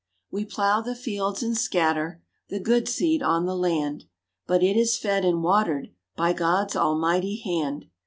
We plow the fields, and scatter The good seed on the land, But it is fed and watered By God's almighty hand.